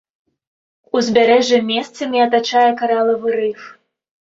Узбярэжжа месцамі атачае каралавы рыф.